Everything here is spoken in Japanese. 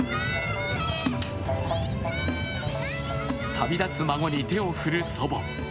旅立つ孫に手を振る祖母。